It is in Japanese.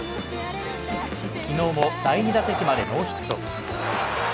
昨日も、第２打席までノーヒット。